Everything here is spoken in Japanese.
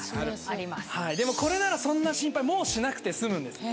でもこれならそんな心配もうしなくて済むんです。